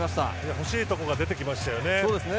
欲しいところが出てきましたね。